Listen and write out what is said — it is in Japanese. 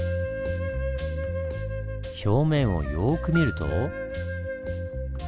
表面をよく見ると。